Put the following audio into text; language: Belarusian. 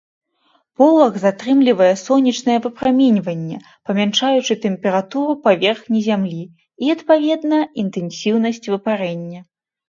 Полаг затрымлівае сонечнае выпраменьванне, памяншаючы тэмпературу паверхні зямлі і, адпаведна, інтэнсіўнасць выпарэння.